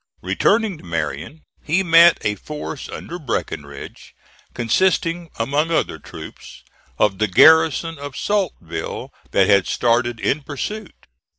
Returning to Marion, he met a force under Breckinridge, consisting, among other troops, of the garrison of Saltville, that had started in pursuit.